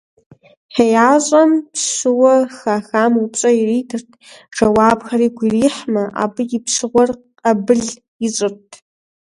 ХеящӀэм пщыуэ хахам упщӀэ иритырт, жэуапхэр игу ирихьмэ, абы и пщыгъуэр къэбыл ищӀырт.